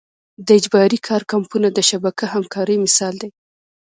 د اجباري کار کمپونه د شبکه همکارۍ مثال دی.